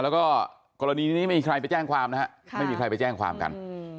แล้วก็กรณีนี้ไม่มีใครไปแจ้งความนะฮะไม่มีใครไปแจ้งความกัน